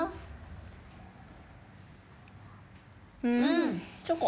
うん。